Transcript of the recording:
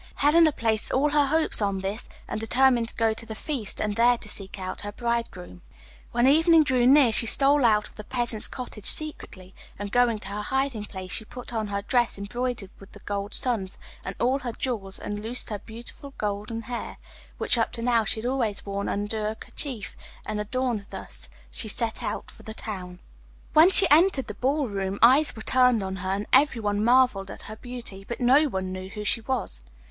Helena placed all her hopes on this, and determined to go to the feast and there to seek out her bridegroom. When evening drew near she stole out of the peasant's cottage secretly, and, going to her hiding place, she put on her dress embroidered with the gold suns, and all her jewels, and loosed her beautiful golden hair, which up to now she had always worn under a kerchief, and, adorned thus, she set out for the town. When she entered the ball room all eyes were turned on her, and everyone marvelled at her beauty, but no one knew who she was.